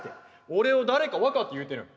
俺を誰か分かって言うてるん？